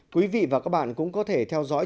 quý vị và các bạn cũng có thể theo dõi